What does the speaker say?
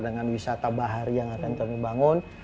dengan wisata bahari yang akan kami bangun